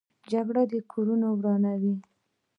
جګړه کورونه ورانوي